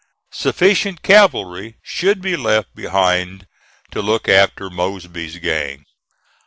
Sufficient cavalry should be left behind to look after Mosby's gang.